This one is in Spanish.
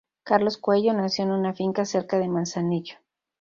Carlos Coello nació en una finca cerca de Manzanillo.